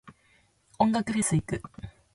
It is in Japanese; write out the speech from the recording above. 音楽フェス行く。